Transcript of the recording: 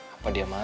apa dia marah ya